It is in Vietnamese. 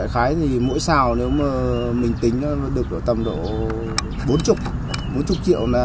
khái thì mỗi sào nếu mà mình tính nó được tầm độ bốn mươi triệu